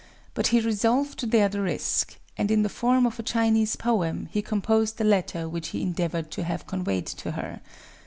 But he resolved to dare the risk; and, in the form of a Chinese poem, he composed a letter which he endeavored to have conveyed to her.